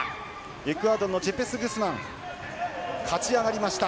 エクアドルのジェペス・グスマン勝ち上がりました。